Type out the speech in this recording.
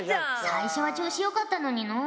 最初は調子よかったのにのう。